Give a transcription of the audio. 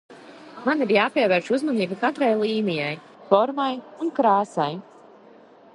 Man ir jāpievērš uzmanība katrai līnijai, formai un krāsai.